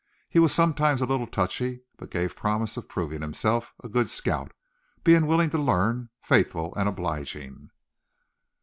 He was sometimes a little touchy; but gave promise of proving himself a good scout, being willing to learn, faithful, and obliging.